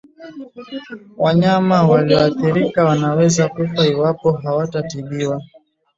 Wanyama walioathirika wanaweza kufa iwapo hawatatibiwa